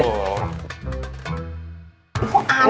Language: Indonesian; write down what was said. gak mau diterima